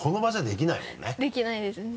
できないですね。